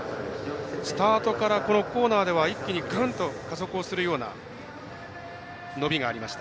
スタートからコーナーでは一気に、ぐんと加速をするような伸びがありました。